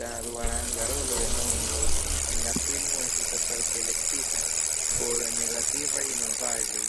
La duaranga rolo de Monroe en la filmo estis aparte elektita por negativaj novaĵoj.